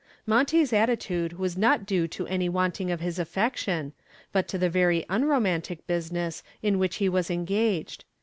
Monty's attitude was not due to any wanting of his affection, but to the very unromantic business in which he was engaged.